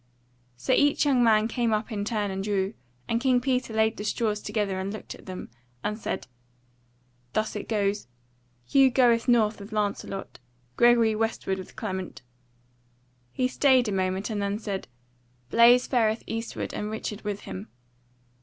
So each young man came up in turn and drew; and King Peter laid the straws together and looked at them, and said: "Thus it is, Hugh goeth north with Lancelot, Gregory westward with Clement." He stayed a moment and then said: "Blaise fareth eastward and Richard with him.